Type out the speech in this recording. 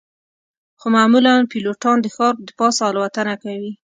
خو معمولاً پیلوټان د ښار د پاسه الوتنه کوي